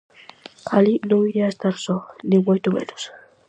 Alí non iría a estar só, nin moito menos.